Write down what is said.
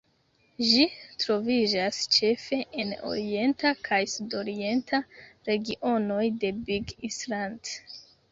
Ĝi troviĝas ĉefe en orienta kaj sudorienta regionoj de Big Island.